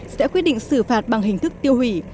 sẽ quyết định xử phạt bằng hình thức tiêu hủy